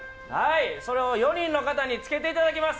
それを４人の方に着けてもらいます